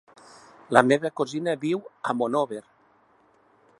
La meva cosina viu a Monòver.